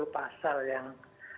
sepuluh pasal yang